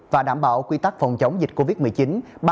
và đảm bảo quy tắc phòng chống dịch covid một mươi chín